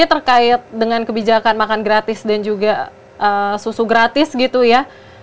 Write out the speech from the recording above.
terkait dengan kebijakan makan gratis dan juga susu gratis gitu ya